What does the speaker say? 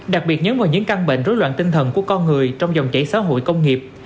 đặc biệt nhấn vào những căn bệnh rối loạn tinh thần của con người trong dòng chảy xã hội công nghiệp